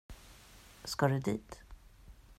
Ska du dit?